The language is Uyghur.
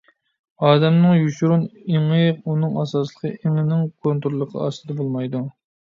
ئادەمنىڭ يوشۇرۇن ئېڭى ئۇنىڭ ئاساسلىق ئېڭىنىڭ كونتروللۇقى ئاستىدا بولمايدۇ.